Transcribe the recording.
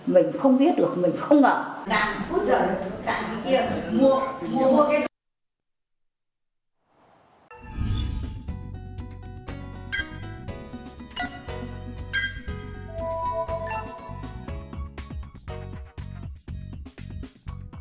mình không biết được mình không ngờ